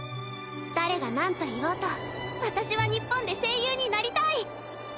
誰がなんと言おうと私は日本で声優になりたい。